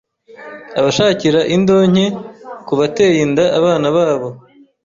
abashakira indonke ku bateye inda abana babo